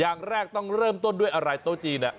อย่างแรกต้องเริ่มต้นด้วยอะไรโต๊ะจีน